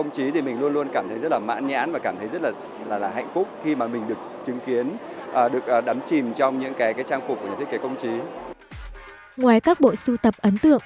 ngoài các bộ sưu tập ấn tượng